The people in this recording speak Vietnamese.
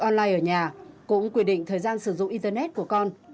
con lại ở nhà cũng quyết định thời gian sử dụng internet của con